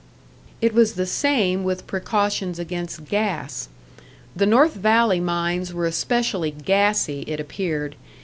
It was the same with precautions against gas. The North Valley mines were especially "gassy," it appeared.